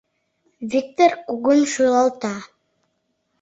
— Виктыр кугун шӱлалта.